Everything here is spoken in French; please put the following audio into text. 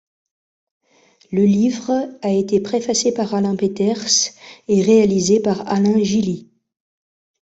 Le livre a été préfacé par Alain Peters et réalisé par Alain Gili.